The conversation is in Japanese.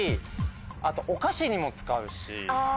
あとお菓子にも使うし。